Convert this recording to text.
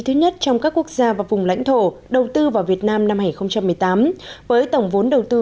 thứ nhất trong các quốc gia và vùng lãnh thổ đầu tư vào việt nam năm hai nghìn một mươi tám với tổng vốn đầu tư